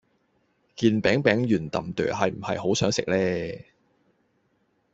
件餅餅圓氹朵係唔係好想食呢